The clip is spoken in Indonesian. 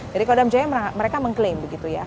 jadi kodam jaya mereka mengklaim begitu ya